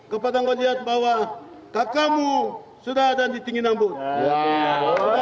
kepada goliath bahwa kakamu sudah ada di tinggi nambut